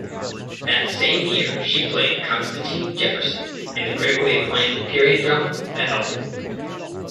That same year she played Constantine Jefferson in the critically-acclaimed period drama "The Help".